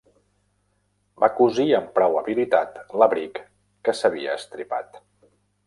Va cosir amb prou habilitat l'abric que s'havia estripat.